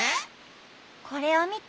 これをみて。